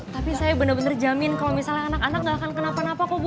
tapi saya benar benar jamin kalau misalnya anak anak gak akan kenapa napa kok bu